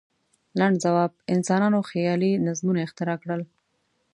لنډ ځواب: انسانانو خیالي نظمونه اختراع کړل.